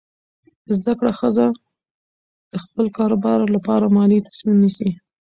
زده کړه ښځه د خپل کاروبار لپاره مالي تصمیم نیسي.